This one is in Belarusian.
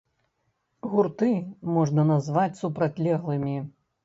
Гурты можна назваць супрацьлеглымі.